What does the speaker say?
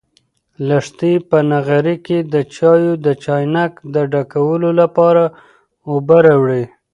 لښتې په نغري کې د چایو د چاینک د ډکولو لپاره اوبه راوړې.